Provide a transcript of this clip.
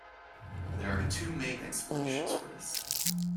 There are two main explanations of this.